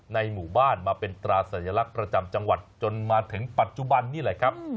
ในหมู่บ้านมาเป็นตราสัญลักษณ์ประจำจังหวัดจนมาถึงปัจจุบันนี่แหละครับ